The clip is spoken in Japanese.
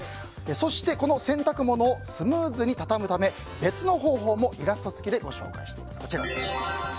そして、この洗濯物をスムーズに畳むため別の方法もイラスト付きでご紹介しています。